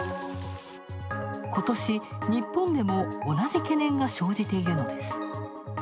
今年、日本でも同じ懸念が生じているのです。